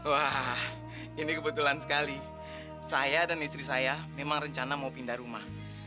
wah ini kebetulan sekali saya dan istri saya memang rencana mau pindah rumah